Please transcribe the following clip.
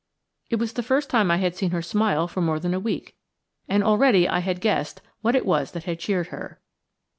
It was the first time I had seen her smile for more than a week, and already I had guessed what it was that had cheered her.